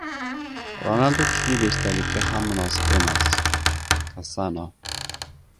Ronaldu kuchli beshtalikka ham munosib emas — Kassano